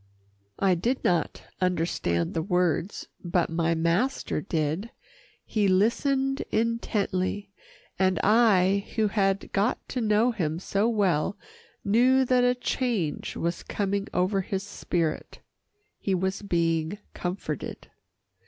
I did not understand the words, but my master did. He listened intently, and I, who had got to know him so well, knew that a change was coming over his spirit. He was being comforted.